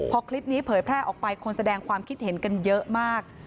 พอคลิปนี้เผยแพร่ออกไปคนแสดงความคิดเห็นกันเยอะมาก